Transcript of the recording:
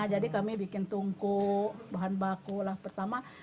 jadi kami bikin tungku bahan baku lah pertama